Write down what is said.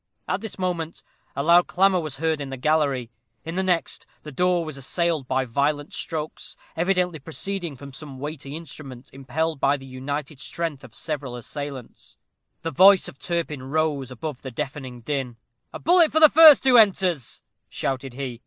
At this moment a loud clamor was heard in the gallery. In the next, the door was assailed by violent strokes, evidently proceeding from some weighty instrument, impelled by the united strength of several assailants. The voice of Turpin rose above the deafening din. "A bullet for the first who enters," shouted he.